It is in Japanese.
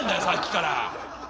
さっきから。